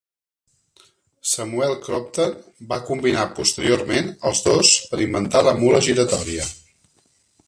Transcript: Samuel Crompton va combinar posteriorment els dos per inventar la mula giratòria.